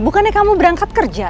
bukannya kamu berangkat kerja